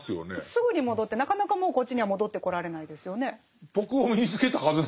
すぐに戻ってなかなかもうこっちには戻ってこられないですよね。